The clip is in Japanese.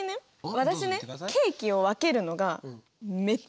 私ねケーキを分けるのがめっちゃ得意なの。